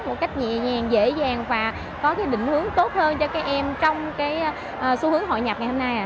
một cách nhẹ dễ dàng và có cái định hướng tốt hơn cho các em trong xu hướng hội nhập ngày hôm nay